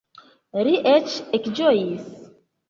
Li eĉ ekĝojis.